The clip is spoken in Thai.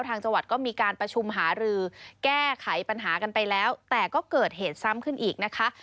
ทางจังหวัดก็มีการประชุมหารือแก้ไขปัญหากันไปแล้วแต่ก็เกิดเหตุซ้ำขึ้นอีกนะคะ